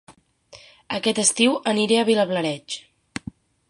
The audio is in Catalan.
Aquest estiu aniré a Vilablareix